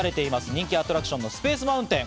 人気アトラクションのスペース・マウンテン。